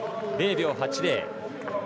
０秒８０。